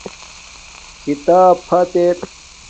کھیتاپ فت ار